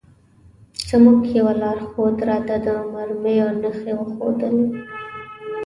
زموږ یوه لارښود راته د مرمیو نښې وښودلې.